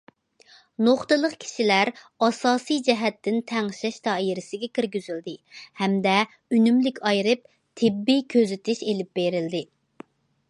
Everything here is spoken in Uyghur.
نۇقتىلىق كىشىلەر ئاساسىي جەھەتتىن تەڭشەش دائىرىسىگە كىرگۈزۈلدى ھەمدە ئۈنۈملۈك ئايرىپ، تېببىي كۆزىتىش ئېلىپ بېرىلدى.